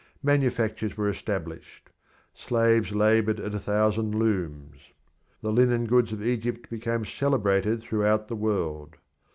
Manufactures were established; slaves laboured at a thousand looms; the linen goods of Egypt became celebrated throughout the world.